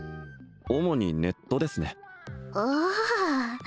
主にネットですねあー